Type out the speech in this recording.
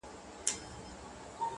• اغزي مي له تڼاکو رباتونه تښتوي,